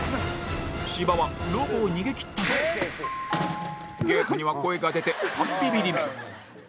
芝はロボを逃げ切ったがゲートには声が出て３ビビリ目